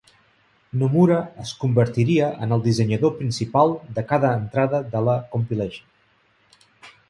Nomura es convertiria en el dissenyador principal de cada entrada de la "Compilation".